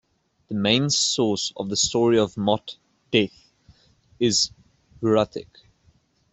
The main source of the story of Mot 'Death' is Ugaritic.